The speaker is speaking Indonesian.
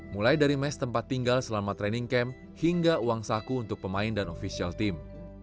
mulai dari mes tempat tinggal selama training camp hingga uang saku untuk pemain dan ofisial team